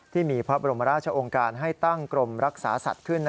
ที่มีพระบรมราชองค์การให้ตั้งกรมรักษาสัตว์ขึ้น